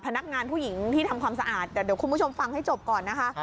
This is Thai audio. พนักงานผู้หญิงที่ทำความสะอาดแต่เดี๋ยวคุณผู้ชมฟังให้จบก่อนนะคะ